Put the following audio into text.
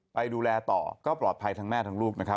ไปดูแลต่อก็ปลอดภัยทั้งแม่ทั้งลูกนะครับ